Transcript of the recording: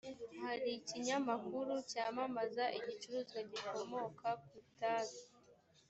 hari ikinyamakuru cyamamaza igicuruzwa gikomoka ku itabi